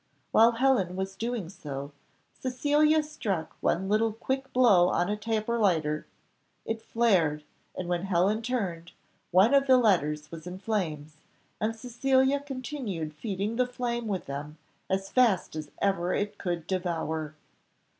While Helen was doing so, Cecilia struck one little quick blow on a taper lighter; it flared, and when Helen turned, one of the letters was in flames, and Cecilia continued feeding the flame with them as fast as ever it could devour.